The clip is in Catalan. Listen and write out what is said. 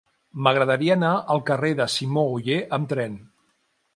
M'agradaria anar al carrer de Simó Oller amb tren.